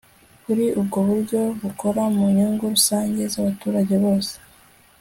kuri ubwo buryo bukora mu nyungu rusange z'abaturage bose